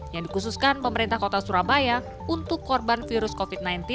yang dikhususkan pemerintah kota surabaya untuk korban virus covid sembilan belas